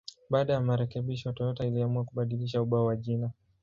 Baada ya marekebisho, Toyota iliamua kubadilisha ubao wa jina.